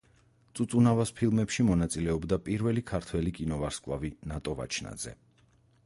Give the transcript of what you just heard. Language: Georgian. წუწუნავას ფილმებში მონაწილეობდა პირველი ქართველი კინოვარსკვლავი ნატო ვაჩნაძე.